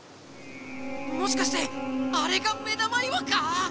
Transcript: もしかしてあれがめだまいわか！？